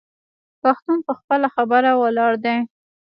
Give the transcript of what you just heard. پښتون په خپله خبره ولاړ دی.